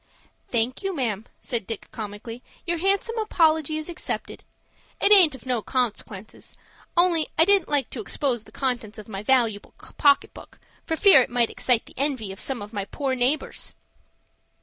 "Thank you, ma'am," said Dick, comically; "your handsome apology is accepted. It aint of no consequence, only I didn't like to expose the contents of my valooable pocket book, for fear it might excite the envy of some of my poor neighbors."